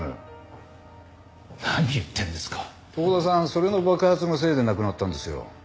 それの爆発のせいで亡くなったんですよ。